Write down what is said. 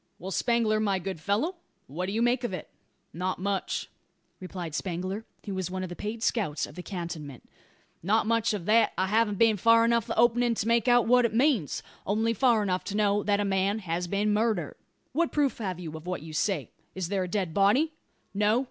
"Well, Spangler, my good fellow; what do you make of it?" "Not much," replied Spangler, who was one of the paid scouts of the cantonment; "not much of that; I hav'n't been far enough up the openin' to make out what it means only far enough to know that a man has been murdered." "What proof have you of what you say? Is there a dead body?" "No.